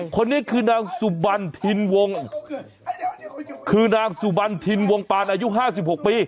คือนางสุบันทินวงคือนางสุบันทินวงปานอายุห้าสิบหกปี